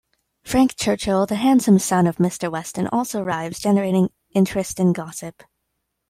Frank Churchill, the handsome son of Mr. Weston, also arrives generating interest and gossip.